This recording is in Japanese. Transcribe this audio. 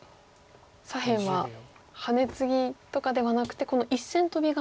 左辺はハネツギとかではなくてこの１線トビが。